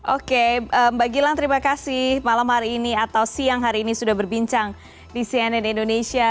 oke mbak gilang terima kasih malam hari ini atau siang hari ini sudah berbincang di cnn indonesia